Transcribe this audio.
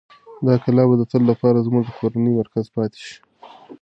دا کلا به د تل لپاره زموږ د کورنۍ مرکز پاتې شي.